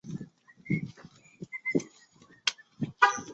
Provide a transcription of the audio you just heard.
涩荠为十字花科涩荠属下的一个种。